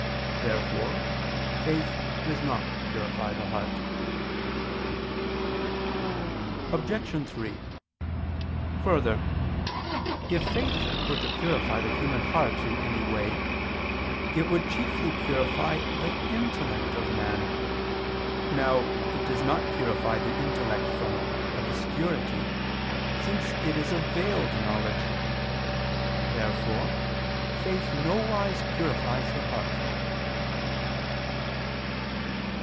Therefore faith does not purify the heart. Obj. 3: Further, if faith were to purify the human heart in any way, it would chiefly purify the intellect of man. Now it does not purify the intellect from obscurity, since it is a veiled knowledge. Therefore faith nowise purifies the heart.